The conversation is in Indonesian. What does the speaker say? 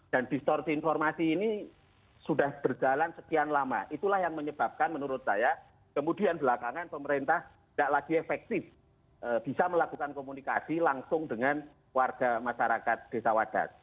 dan di situ ada informasi ini sudah berjalan sekian lama itulah yang menyebabkan menurut saya kemudian belakangan pemerintah tidak lagi efektif bisa melakukan komunikasi langsung dengan warga masyarakat desa wadat